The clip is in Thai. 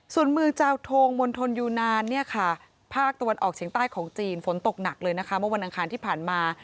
ส่วนเมืองเจ้าโทงมณฑลยูนานเนี่ยค่ะภาคตะวันออกเฉียงใต้ของจีนฝนตกหนักเลยนะคะเมื่อวันอังคารที่ผ่านมา